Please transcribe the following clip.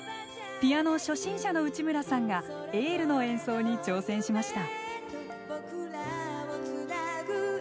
ピアノ初心者の内村さんが「ＹＥＬＬ」の演奏に挑戦しました。